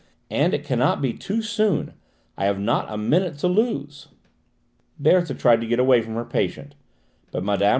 And it cannot be too soon! I have not a minute to lose!" Berthe tried to get away from her patient, but Mme.